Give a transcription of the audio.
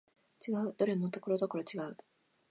違う、どれもところどころ違う